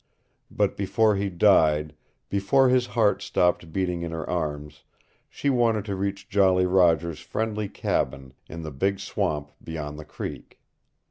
But before he died, before his heart stopped beating in her arms, she wanted to reach Jolly Roger's friendly cabin, in the big swamp beyond the creek.